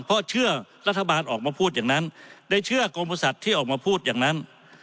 เพราะเชื่อรัฐบาลออกมาพูดอย่างนั้นได้เชื่อกรมบริษัทที่ออกมาพูดอย่างนั้น